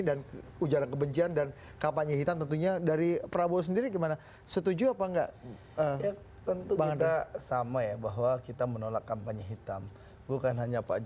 dan ujarannya itu adalah apa